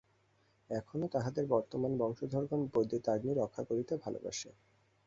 এখনও তাহাদের বর্তমান বংশধরগণ বৈদ্যুতাগ্নি রক্ষা করিতে ভালবাসে।